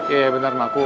iya benar ma